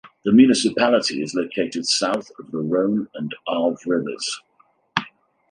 The municipality is located south of the Rhone and Arve rivers.